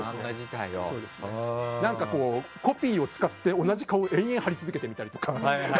コピーを使って同じ顔を延々に貼り続けてみたりとか。